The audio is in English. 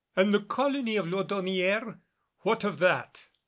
"And the colony of Laudonnière, what of that?"